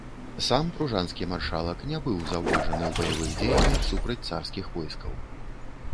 Сам пружанскі маршалак не быў заўважаны ў баявых дзеяннях супраць царскіх войскаў.